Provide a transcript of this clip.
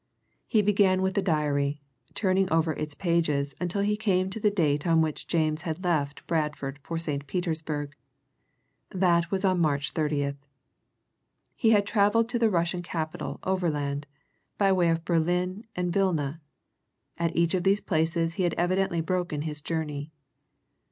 He began with the diary, turning over its pages until he came to the date on which James had left Bradford for St. Petersburg. That was on March 30th. He had travelled to the Russian capital overland by way of Berlin and Vilna, at each of which places he had evidently broken his journey.